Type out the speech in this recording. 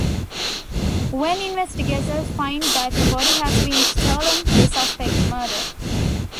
When investigators find that her body has been stolen, they suspect murder.